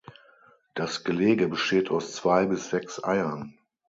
Das Gelege besteht aus zwei bis sechs Eiern.